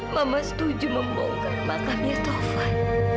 mama setuju membongkar makamnya sofa